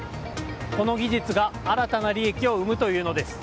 この技術が新たな利益を生むというのです。